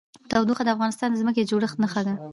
تودوخه د افغانستان د ځمکې د جوړښت نښه ده.